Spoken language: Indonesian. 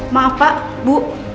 maaf pak bu